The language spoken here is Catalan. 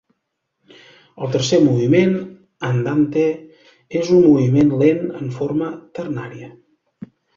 El tercer moviment, Andante, és un moviment lent en forma ternària.